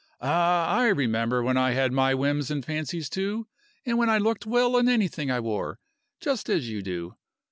Ah! I remember when I had my whims and fancies too, and when I looked well in anything I wore, just as you do.